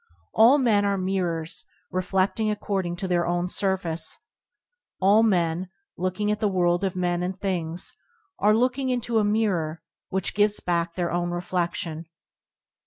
All men are mirrors reflecting according to their own surface. All men, looking at the world of men and things, are looking into a mirror which gives back their own reflec tion.